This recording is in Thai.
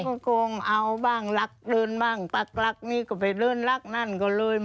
ก็โกงเอาบ้างรักเลินบ้างรักนี่ก็ไปเลินรักนั่นก็เลย